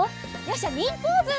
よっしゃニンポーズ！